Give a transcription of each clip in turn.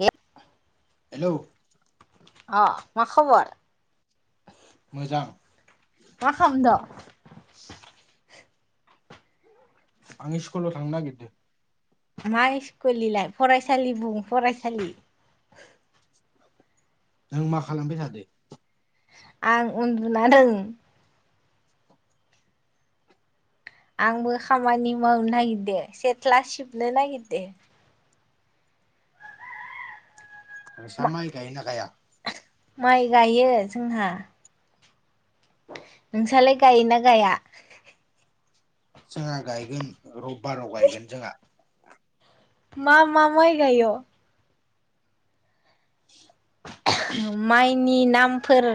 हे hello अ मा खबर? मोजां मा खाम दो? आं स्कुलाव थांनो नागिरदों मा इस्कुल इलाय फरायसालि बुं फरायसालि। नों मा खालामबाय थादो? आं उन्दुना दों। आंबो खामानि मावनो नागिरदो। सेथ्ला सिबनो नागिरदो। नोंसा माय गायोना गाया? माइ गायो। जोंहा नोंसालाय गायोना गाया? जोंहा गायगोन रबबाराव गायगोन जोंहा। मा मा माइ गाय'? माइनि नामफोर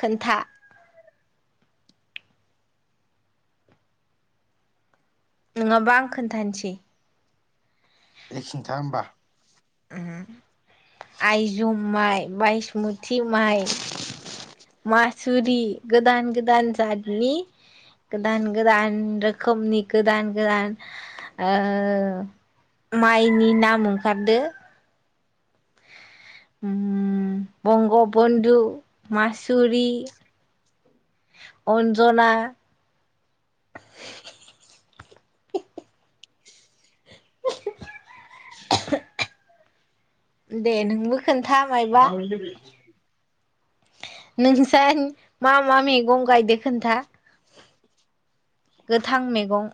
खोन्था। नङाबा आं खोन्थानोसै। दे खिन्था होमबा। आइजुम माइ, माइ मोथि माइ मासुरि गोदान गोदान जादनि गोदान गोदान रो रोखोमनि गोदान गोदान ओ माइनि नाम ओंखारदो। उम बंग' बन्धु मासुरि अनजना [inaudible] दे नोंबो खोन्था मायबा नोंसा मा मा मैगं गायदो? खोन्था गोथां मेगं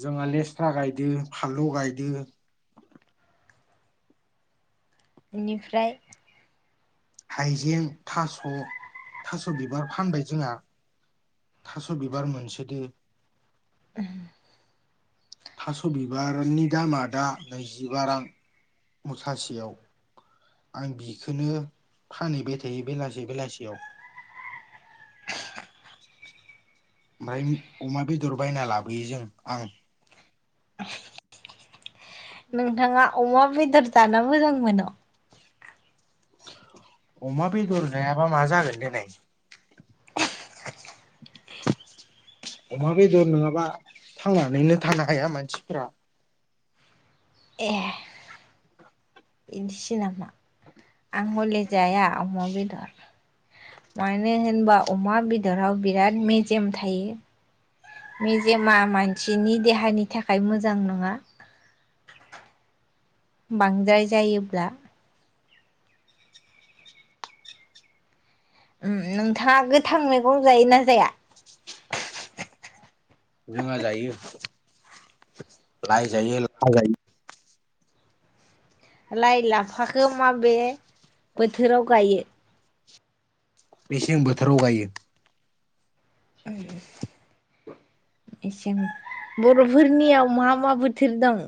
जोंहा लेस्रा गायदो। फानलु गायदो। इनिफ्राय - हाइजें थास' थास' बिबार फानबाय जोंहा थास' बिबार मोनसोदो [unintelligible] थास' बिबारनि दामा दा नैजिबा रां मुसासेयाव आं बिखनो फानहैबाय थायो बेलासे बेलासियाव ओमफ्राय अमा बेदर बायना लाबोयो जों आं [unintelligible] नोंथाङा अमा बेदर जानो मोजां मोनो। [unintelligible] अमा बेदर जायाबा मा जागोन देनाय [unintelligible] [inaudible] अमा बेदर नोङाबा थांनानैनो थानो हाया मानसिफोरा ए। बिदिसो नामा आं हले जाया अमा बेदर मानो होनबा अमा बेदराव बिराद मेजेम थायो मेजेमा मानसिनि देहानि थाखाय मोजां नङा। बांद्राय जायोब्ला उम उ नोंथाङा गोथां मैगं जायो ना जाया? जोंहा जायो लाइ जायो लाफा जायो। लाइ लाफखौ माबे बोथोराव गायो। मेसें बोथोराव गायो। एसेम बर'फोरनियाव मा मा बोथोर दं?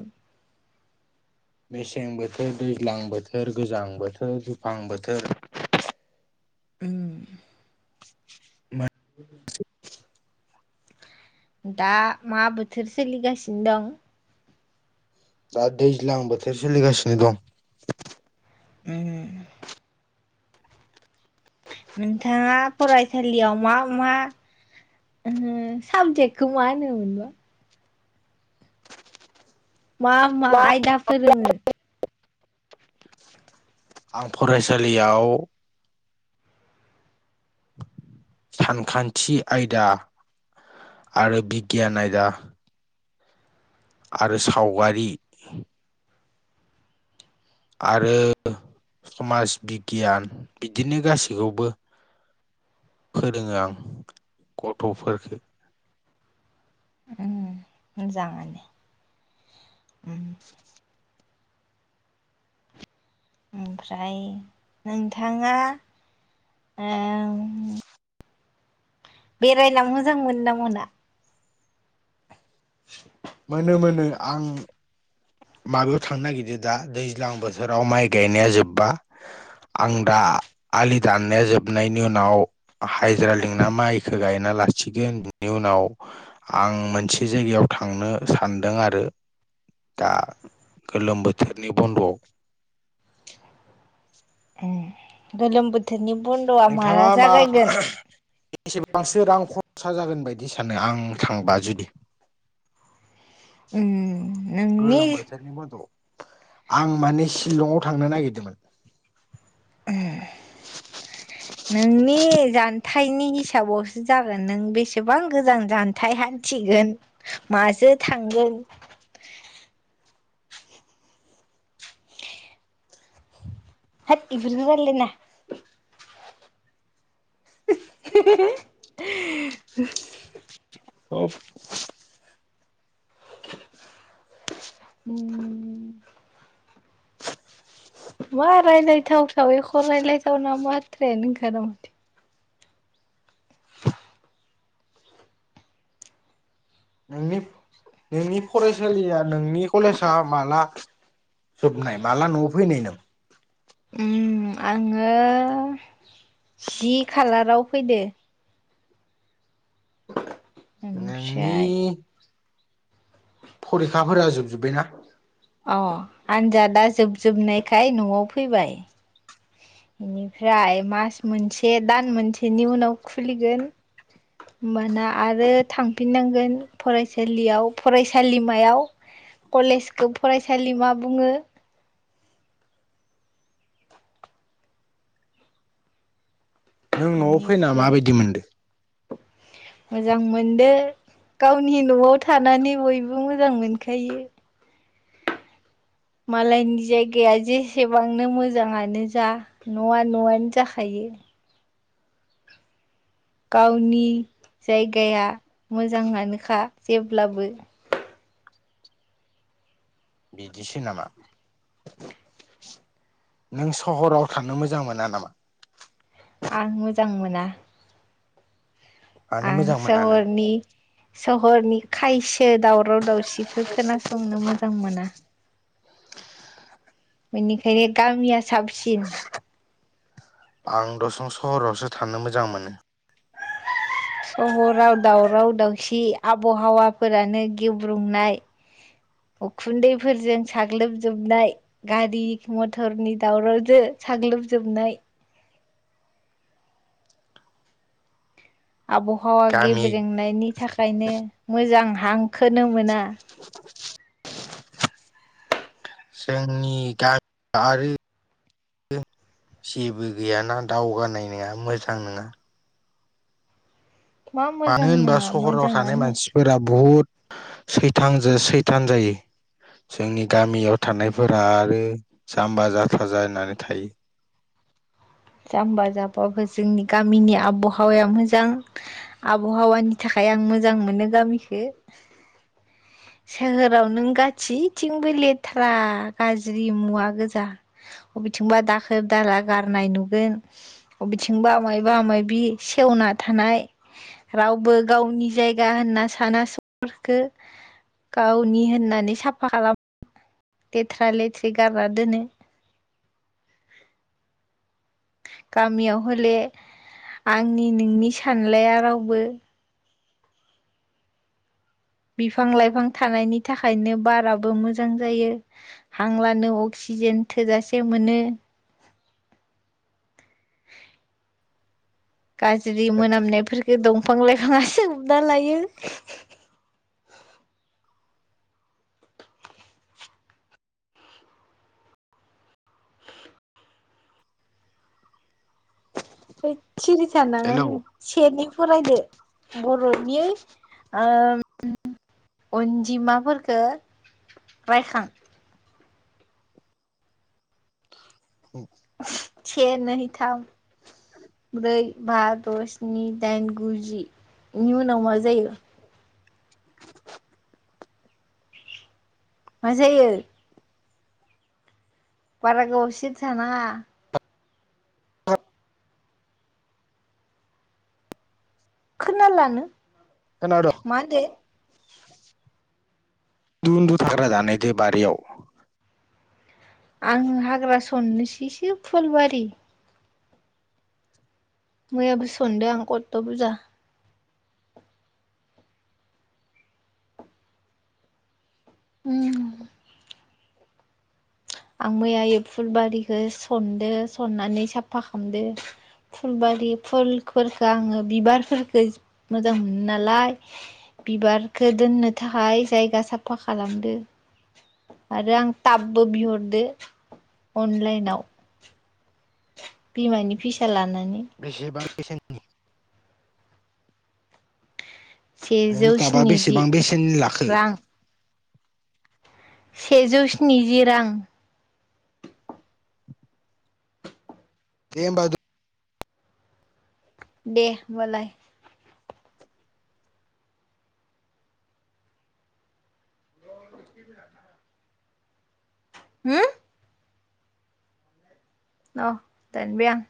मेसें बोथोर दैज्लां बोथोर गोजां बोथोर दुफां बोथोर। उम। [unintelligible] दा मा बोथोर सोलिगासिनो दं? दा दैजालां बोाथेर सोलिगासिनो दं। उम। नोंथाङा फरायसालियाव मा मा ओ साबजेक्टखौ मा होनोमोनबा? मा मा आयदा फोरोङो? आं फरायसालियाव सानखान्थि आयदा आरो बिगियान आयदा आरो सावगारि आरो समाज बिगियान बिदिनो गासैखौबो फोरोङो आं गथ'फोरखो उम मोजाङानो। उम [inaudible] ओमफ्राय नोंथाङा ओम बेरायना मोजां मोनो ना मो मोना। मोनो मोनो आं माबायाव थांनो नागिरदो दा दै दैज्लां बोथोराव माइ गायनाया जोब्बा आं दा आलि दाननाया जोबनायनि उनाव हाजिरा लिंना माइखौ गायना लासिगोन बिनि उनाव आं मोनसे जायगायाव थां थांनो सान्दों आरो दा गोलोम बोथोरनि बन्द'आव ए गोलोम बोथोरनि बन्द'आ माला नोंथाङा मा जागायगोन एसेबांसो रां खरसा जागोन बायदि बिदि सानो आं थांबा जुदि उम नोंनि गोलोम बोथोरनि बन्द'आव आं माने शिलं आव थांनो नागिरदोंमोन उओम नोंनि जानथायाइनि हिसाबावसो जागोन नों बेसेबां गोजान जानथायाइ हान्थिगोन माजो थांगोन ओद बिदिजों रायलाय नांआ [inaudible] औ उम मार रायलाय थाव थाव एख रायलायथाव नामा ए नों खदम [unintelligible] नोंनि नोंनि फरायसालिया नोंनि कलेजआ माला जोबनाय माला न'आव फैनाय नों उम आङो जि खालाराव फैदो ननि ओमफ्राय जोबजोब्बायना अ आंजादा जोब जोब नायखाय आखाय न'आव फैबाय बेनिफ्राय मास मोनसे दान मोनसेनि उनाव खुलिगोन होमबाना आरो थांफिननांगोन फरायसालियाव फरायसालिमायाव कलेजखौ फरायसालिमा बुङो नों न'आव फैना बेनिफ्राय माबायदि मोनदों मोजां मोनदो गावनि न'आव थानानै बयबो मोजां मोनखायो मालायनि जायगाया जेसेबांनो मोजाङानो जा न'आ न'आनो जाखायो गावनि जायगाया मोजाङानोखा जेब्लाबो बिदिसो नामा नों सहराव थानो मोजां मोना नामा आं मोजां मोना मानो आं मोजां मोना नों? सहरनि सहरनि खायसे बे दावराव दावसिखौ खोनासंनो मोजां मोना मनिख गामया साबसिन आं दसं सहरावसो थानो मोजां मोनो। सहराव दावराव दावसि आबहावाफोरानो गेब्रुंनाय उखुन्दैफोरजों साग्लोबजोबनाय गारि मथरनि दावरावजों साग्लोबजोबनाय। आबहावा गामि गेब्रेंनायनि थाखायनो मोजां थां। खोननो मोना। जोंनि गामि आरो जेबो गैयाना दावगानाय नङा मोजां नङा। मा मानो मोजां होनबा नङा सहराव थानाय मोजाङानो मानसिफोरा बहुत सैथांजों सैथान जायो जोंनि गामियाव थानायफोरा आरो जाम्बा जाथा जानानै थायो। जाम्बा जाम्बाबो जोंनि गामिनि आबहावाया मोजां आबहावानि थाखाय आं मोजां मोनो गामिखो सोहोराव नों गासैथिंबो लेथ्रा गाज्रि मुवा गोजा बबेथिंबा दाखोर दाला गारनाय नुब बबेथिंबो आमायबा आमायबि सेवना थानाय रावबो गावनि जायगा होनना साना सुबुंफोरखो गावनि होननानै साफा खालाम लेथ्रा लेथ्रि गारना दोनो। गामियाव हले आंनि नोंनि सानलाया रावबो। बिफां लाइफां थानायनि थाखायनो बाराबो मोजां जायो हां‌लानो अक्सिजेन थोजासे मोनो। गाज्रि मोनामनायखो दंफां लाइफांआसो [unintelligible] लायो। [unintelligible] सिरि थानाङा हेलौ नो से नै फरायदो बर'नि ओम अनजिमाफोरखो रायखां। [unintelligible] से नै थाम ब्रै बा द' स्नि दाइन गु जि इनि उनाव मा जायो? मा जायो? बारा गोबाव सिरि थानाङा। खोना लानो। खोनादों मा होनदों? उन्दु उन्दु दाननायदे बारियाव। आं हाग्रा सन्नोसैसो फुलबारि। मैयाबो सनदों कतत' बुरजा। उम। आं मैयायै फुलबारिखौ सनदों सननानै साफा खालामदो फुलबारि फुलफोरखो आङो बिबारफोरफोरखो मोजां मोनो नालाय बिबारखौ दोननो थाखाय जायगा साफा खालामदो आरो आं टाबबो बिहरदो दो अनलाइनाव। बिमानि फैसा लानानै। बेसेबां बेसेननि? सेजौ नों ताबा स्निजि बेसेबां बेसेननि लाखो? रां सेजौ स्निजि रां। दे होमबा दो दे होमबालाय। होम। औ दानबाय आं।